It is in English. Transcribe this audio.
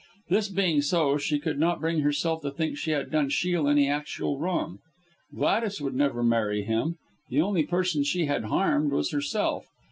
This being so, she could not bring herself to think she had done Shiel any actual wrong. Gladys would never marry him. The only person she had harmed was herself.